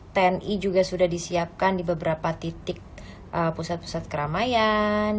tni juga sudah disiapkan di beberapa titik pusat pusat keramaian